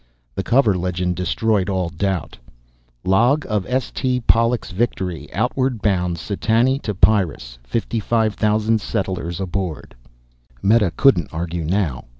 The cover legend destroyed all doubt. LOG OF S. T. POLLUX VICTORY. OUTWARD BOUND SETANI TO PYRRUS. 55,000 SETTLERS ABOARD. Meta couldn't argue now.